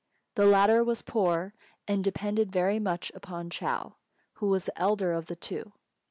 The latter was poor, and depended very much upon Chou, who was the elder of the two.